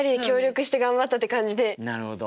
なるほど。